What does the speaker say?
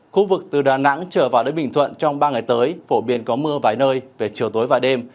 khu vực từ đà nẵng trở vào đến bình thuận trong ba ngày tới phổ biến có mưa vài nơi về chiều tối và đêm